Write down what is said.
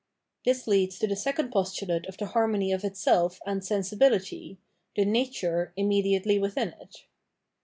This leads to the second postulate of the harmony of itself and sensibility, the nature imrne diately within it.